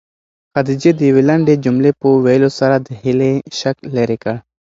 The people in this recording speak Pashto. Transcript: خدیجې د یوې لنډې جملې په ویلو سره د هیلې شک لیرې کړ.